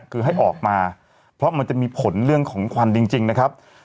คือให้ออกมาเพราะมันจะมีผลเรื่องของควันจริงนะครับ